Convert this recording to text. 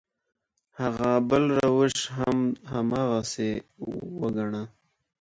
هغه بل روش هم هماغسې وګڼه.